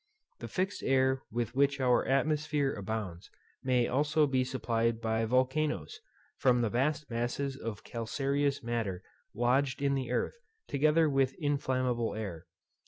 The fixed air with which our atmosphere abounds may also be supplied by volcanos, from the vast masses of calcareous matter lodged in the earth, together with inflammable air.